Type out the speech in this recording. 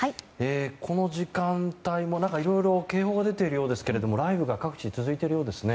この時間帯もいろいろ警報が出ているようですけれども雷雨が各地、続いているようですね。